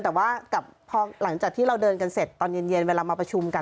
แต่ว่ากับพอหลังจากที่เราเดินกันเสร็จตอนเย็นเวลามาประชุมกัน